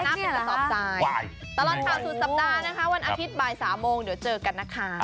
เดี๋ยวจะให้คุณชนะคุณกระสอบซายตลอด๓สัปดาห์นะคะวันอาทิตย์บ่าย๓โมงเดี๋ยวเจอกันนะคะ